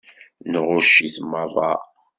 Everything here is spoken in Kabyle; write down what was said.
Nɣucc-it meṛṛa.